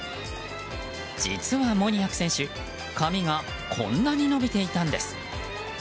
実は、モニアク選手髪がこんなに伸びていたんです。